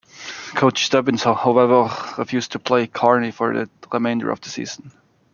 Coach Stubbins however refused to play Carney for the remainder of the season.